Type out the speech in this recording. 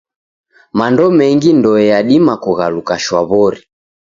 Mando mengi ndoe yadima kughaluka shwaw'ori.